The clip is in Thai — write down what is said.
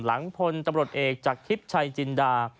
หลังผลปกรณ์ตรรวจเอกจากคริสชัยจิน่า